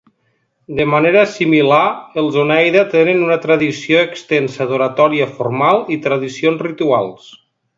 De manera similar, els Oneida tenen una tradició extensa d'oratòria formal i tradicions rituals.